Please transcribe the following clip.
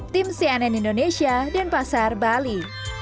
tim cnn indonesia dan pasar bali